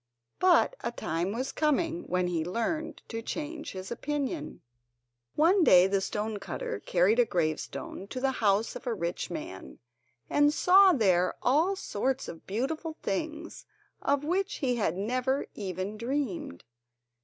But a time was coming when he learned to change his opinion. One day the stone cutter carried a gravestone to the house of a rich man, and saw there all sorts of beautiful things, of which he had never even dreamed.